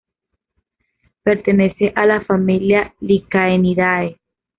Pertenece a la familia Lycaenidae.